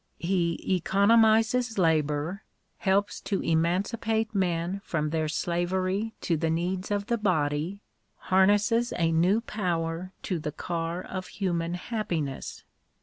He economises labour — helps to emancipate men from their slavery to the needs of the body — harnesses a new power to the car of human happiness.